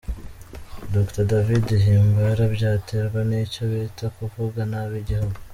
Dr David Himbara: Byaterwa n’icyo bita kuvuga nabi igihugu.